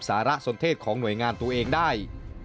สาระสนเทศของหน่วยงานตัวเองได้